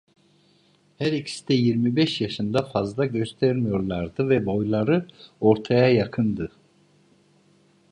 Her ikisi de yirmi beş yaşından fazla göstermiyorlardı ve boyları ortaya yakındı.